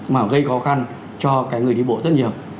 mà gây khó khăn cho cái người đi bộ rất nhiều